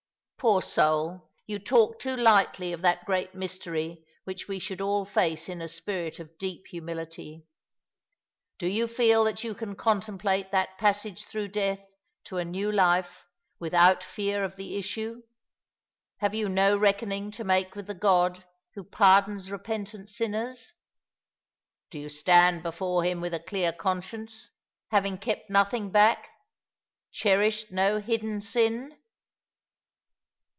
" Poor soul, you talk too lightly of that great mystery which we should all face in a spirit of deep humility. Do you feel that you can contemplate that passage through death to a new life with out fear of the issue ? Haye you no reckoning to make with the God who pardons repentant sinners? Do you stand before Him with a clear conscience — haying kept nothing back — cherished no hidden sin